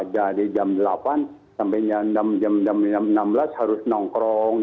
dari jam delapan sampai jam enam belas harus nongkrong